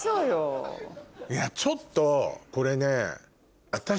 ちょっとこれね。